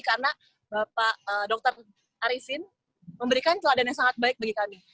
karena dokter arifin memberikan keadaan yang sangat baik bagi kami